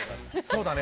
そうだね。